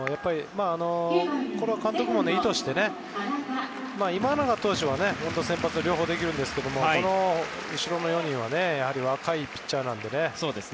監督も意図して今永投手は本当に先発も両方できるんですが後ろの４人は若いピッチャーなので。